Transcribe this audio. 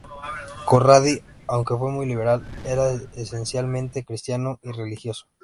Corradi, aunque muy liberal, era esencialmente cristiano y religioso.